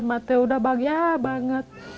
mak udah bahagia banget